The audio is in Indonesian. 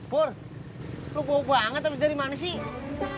pur lu bawa banget abis dari mana sih